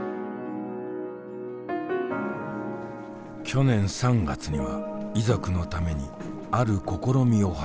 去年３月には遺族のためにある試みを始めた。